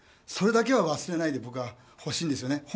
それだけは忘れないでほしいですよね。